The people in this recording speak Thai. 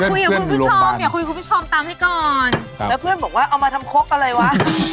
แล้วเพื่อนบอกว่าเอามาทำโค๊กอะไรวะ